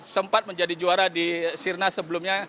sempat menjadi juara di sirna sebelumnya